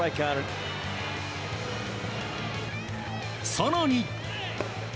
更に。